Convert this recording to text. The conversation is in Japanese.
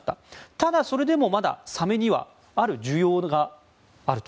ただ、それでもまだサメにはある需要があると。